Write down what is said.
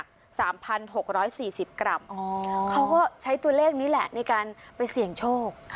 ๓๖๔๐กรัมเขาก็ใช้ตัวเลขนี้แหละเนี้ยการไปเสียงโชค